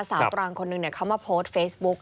สาวตรังคนนึงเขามาโพสเฟซบุ๊ค